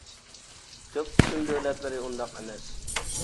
كۆپ قىسىم دۆلەتلىرى ئۇنداق ئەمەس.